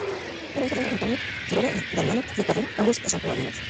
Era hijo de Juan Antonio Quiroga y Damiana del Carril, ambos sanjuaninos.